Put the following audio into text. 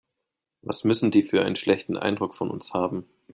Was müssen die für einen schlechten Eindruck von uns haben.